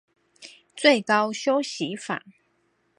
最高休息法